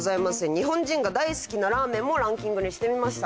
日本人が大好きなラーメンもランキングにしてみました。